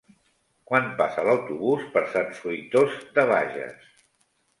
Quan passa l'autobús per Sant Fruitós de Bages?